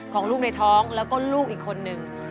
ของลูกในท้องแล้วก็ลูกอีกคนนึง